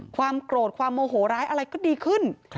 ความโกรธความโมโหร้ายอะไรก็ดีขึ้น